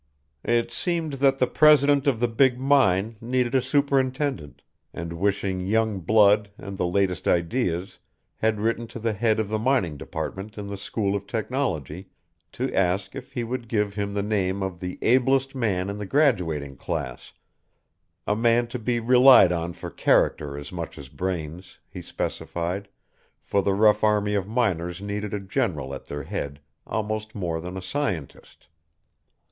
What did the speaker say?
It seemed that the president of the big mine needed a superintendent, and wishing young blood and the latest ideas had written to the head of the Mining Department in the School of Technology to ask if he would give him the name of the ablest man in the graduating class a man to be relied on for character as much as brains, he specified, for the rough army of miners needed a general at their head almost more than a scientist.